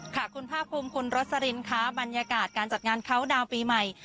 ค่ะคุณภาคภูมิคุณรสลินค่ะบรรยากาศการจัดงานเขาดาวน์ปีใหม่